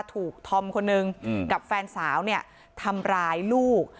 ธอมคนนึงกับแฟนสาวเนี่ยทำร้ายลูก